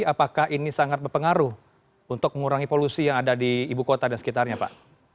apakah ini sangat berpengaruh untuk mengurangi polusi yang ada di ibu kota dan sekitarnya pak